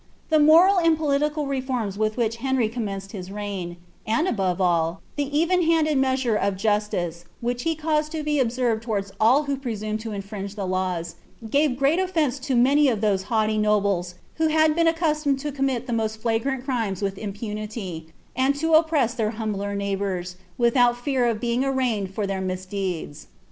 The moral and political reforms with which Henry commenced his reign, and, above all, the cven handsd measure of justice which he caused to be observed towards all who pre sumed to infringe ihe laws, gave great oQbnce to many of tliose haugbij nobles who had been accustomed to commit the most (lagrant crinwa with impunity, and to oppress their hmnbler neighbours, withont lirar of being anaianed for their misdeeds.